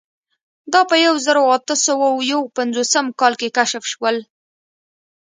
دا په یوه زرو اتو سوو یو پنځوسم کال کې کشف شول.